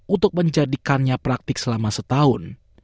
untuk menjadikannya praktik selama setahun